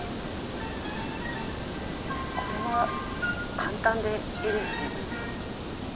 これは簡単でいいですね。